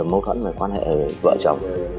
mâu thuẫn và quan hệ vợ chồng